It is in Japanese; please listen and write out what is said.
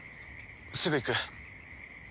すぐ行く。